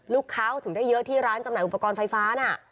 ลูกค้าถึงได้เยอะที่ร้านจำหน่าอุปกรณ์ไฟฟ้าน่ะ